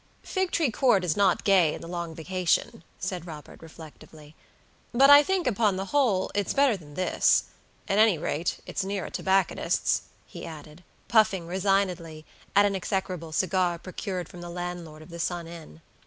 "Figtree Court is not gay in the long vacation," said Robert, reflectively: "but I think, upon the whole, it's better than this; at any rate, it's near a tobacconist's," he added, puffing resignedly at an execrable cigar procured from the landlord of the Sun Inn.